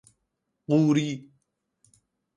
قوری